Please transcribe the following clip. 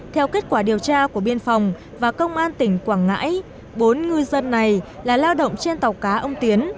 theo kết quả điều tra của biên phòng và công an tỉnh quảng ngãi bốn ngư dân này là lao động trên tàu cá ông tiến